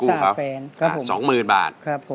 สวัสดีครับ